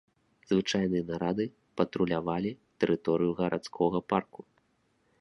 Звычайныя нарады патрулявалі тэрыторыю гарадскога парку.